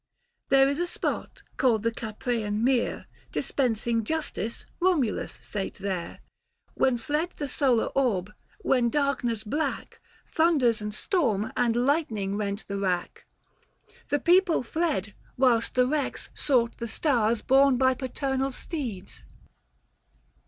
There is a spot called the Caprean Mere. Dispensing justice, Komulus sate there ; 51i Book II. THE FASTI. 51 When fled the solar orb, when darkness black, 520 Thunders and storm, and lightning rent the rack. The people fled, whilst the Kex sought the stars Borne by paternal steeds.